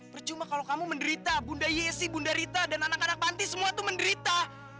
percuma kalau kamu menderita bunda yesi bunda rita dan anak anak panti semua tuh menderita